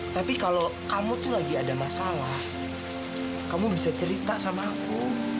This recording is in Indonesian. tapi kalau kamu tuh lagi ada masalah kamu bisa cerita sama aku